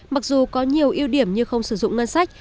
mặc dù có nhiều ưu điểm như không sử dụng ngân sách